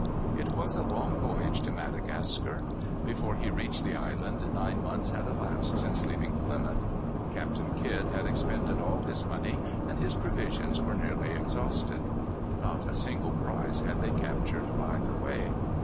It was a long voyage to Madagascar. Before he reached the island nine months had elapsed since leaving Plymouth. Captain Kidd had expended all his money, and his provisions were nearly exhausted. Not a single prize had they captured by the way.